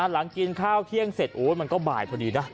หลังกินข้าวเที่ยงเสร็จโอ๊ยมันก็บ่ายพอดีนะ